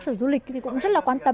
sở du lịch cũng rất quan tâm